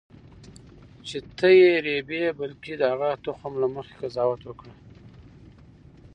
چې ته یې رېبې بلکې د هغه تخم له مخې قضاوت وکړه.